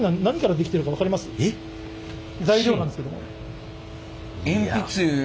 材料なんですけども。